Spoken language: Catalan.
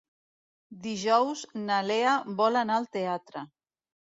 Dijous na Lea vol anar al teatre.